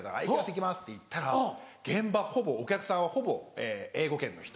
「行きます」って行ったら現場ほぼお客さんはほぼ英語圏の人。